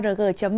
xin kính chào